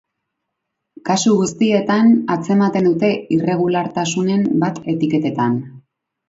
Kasu guztietan atzeman dute irregulartasunen bat etiketetan.